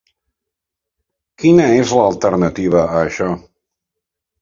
Quina és l'alternativa a això?